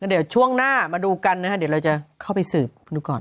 เดี๋ยวช่วงหน้ามาดูกันนะฮะเดี๋ยวเราจะเข้าไปสืบดูก่อน